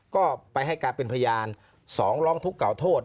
ก็ไปให้การเป็นพยาน๒ร้องทุกข์กล่าวโทษ